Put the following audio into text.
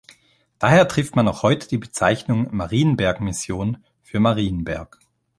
Daher trifft man noch heute die Bezeichnung "Marienberg Mission" für "Marienberg".